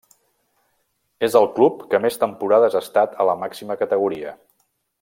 És el club que més temporades ha estat a la màxima categoria.